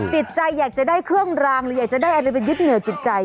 ติดใจอยากจะได้เครื่องรางหรืออยากจะได้อะไรไปยึดเหนื่อจิตใจ